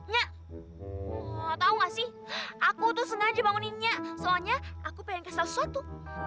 nyah tau gak sih aku tuh sengaja bangunin nyah soalnya aku pengen kasih tau sesuatu